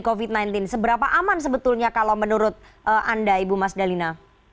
covid sembilan belas seberapa aman sebetulnya kalau menurut anda ibu mas dalina